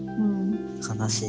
悲しい？